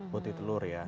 putih telur ya